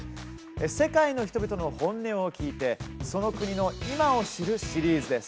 世界の人々の本音を聞きその国の今を知るシリーズです。